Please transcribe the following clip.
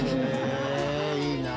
いいなぁ！